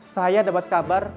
saya dapat kabar